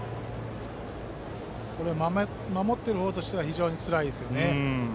守っている方としては非常につらいですよね。